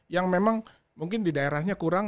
yang memang mungkin di daerahnya kurang